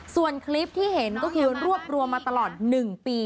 ส่วนคลิปที่เห็นก็คือรวบรวมมาตลอด๑ปี